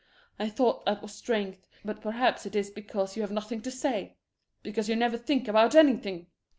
I thought that was strength, but perhaps it is because you have nothing to say! Because you never think about anything!